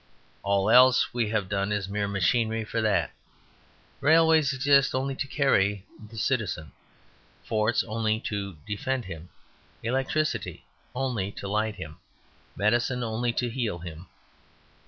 All else we have done is mere machinery for that: railways exist only to carry the Citizen; forts only to defend him; electricity only to light him, medicine only to heal him.